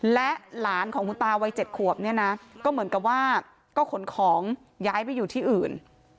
และหลานของคุณตาวัย๗ขวบเนี่ยนะก็เหมือนกับว่าก็ขนของย้ายไปอยู่ที่อื่น